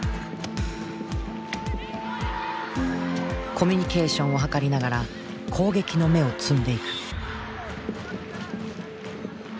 コミュニケーションを図りながら攻撃の芽を摘んでいく。